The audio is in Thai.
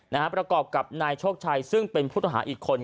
ประกอบกับนายโชคชัยซึ่งเป็นผู้ต้องหาอีกคน